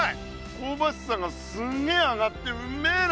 こうばしさがすんげえ上がってうんめえな！